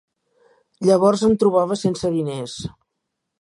Llavors em trobava sense diners.